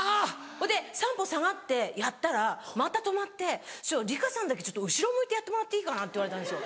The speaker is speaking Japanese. それで３歩下がってやったらまた止まって「梨香さんだけ後ろ向いてやってもらっていいかな」って言われたんですよ。